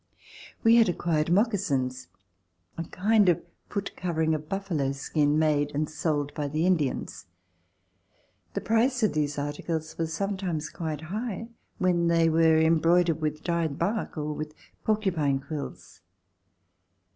We had acquired moccasins, a kind of foot covering of buffalo skin, made and sold by the Indians. The price of these articles was sometimes quite high when they were embroidered with dyed bark or with porcupine quills.